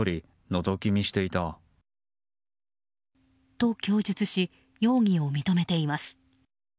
と、供述し容疑を認めています。